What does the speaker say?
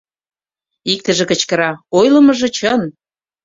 Иктыже кычкыра: «Ойлымыжо чын!»